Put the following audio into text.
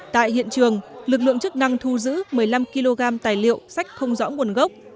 tại hiện trường lực lượng chức năng thu giữ một mươi năm kg tài liệu sách không rõ nguồn gốc